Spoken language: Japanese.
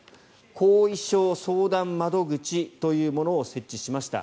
後遺症相談窓口というものを設置しました。